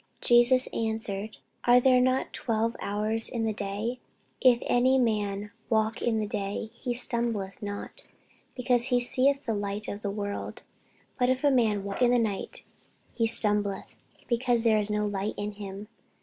Jesus answered, Are there not twelve hours in the day? If any man walk in the day, he stumbleth not, because he seeth the light of this world. But if a man walk in the night, he stumbleth, because there is no light in him.